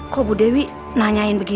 kok bu dewi nanyain begini